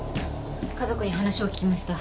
家族に話を聞きました。